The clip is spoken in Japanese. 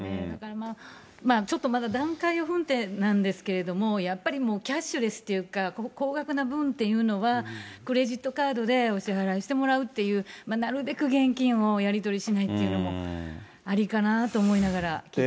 まあちょっとまだ、段階を踏んでなんですけど、やっぱりキャッシュレスというか、高額な分っていうのは、クレジットカードでお支払いしてもらうという、なるべく現金をやり取りしないっていうのもありかなと思いながら聞いてます。